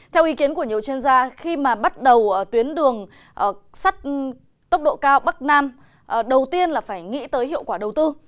theo ý kiến của nhiều chuyên gia khi mà bắt đầu tuyến đường sắt tốc độ cao bắc nam đầu tiên là phải nghĩ tới hiệu quả đầu tư